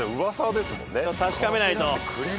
確かめないと。